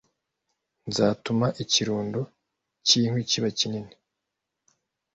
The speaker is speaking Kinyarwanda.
nzatuma ikirundo cy’inkwi kiba kinini